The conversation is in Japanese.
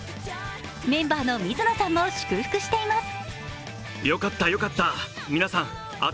メンバーの水野さんも祝福しています。